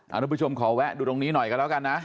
ทุกผู้ชมขอแวะดูตรงนี้หน่อยกันแล้วกันนะ